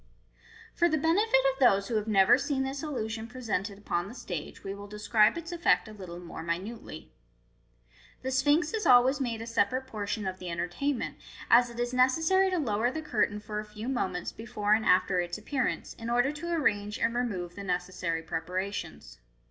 For the benefit of those who have never seen this illusion pre sented upon the stage, we will describe its effect a little more minutely. The Sphinx is always made a separate portion of the entertainment, as it is necessary to lower the curtain for a few moments before and after its appearance, in order to arrange and remove the necessary preparations.